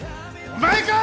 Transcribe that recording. お前か！